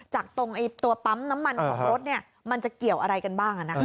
จากตรงตัวปั๊มน้ำมันของรถมันจะเกี่ยวอะไรกันบ้าง